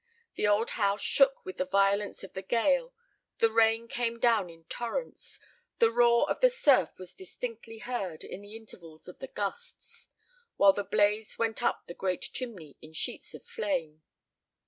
The old house shook with the violence of the gale; the rain came down in torrents; the roar of the surf was distinctly heard in the intervals of the gusts, while the blaze went up the great chimney in sheets of flame.